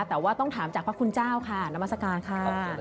แต่ว่าต้องถามจากพระคุณเจ้าค่ะนามัศกาลค่ะ